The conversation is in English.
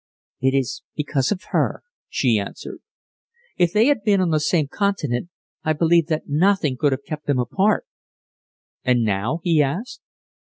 "It is because of her," she answered. "If they had been on the same continent, I believe that nothing could have kept them apart!" "And now?" he asked.